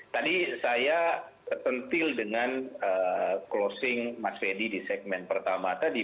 tadi saya tertentil dengan closing mas fedy di segmen pertama tadi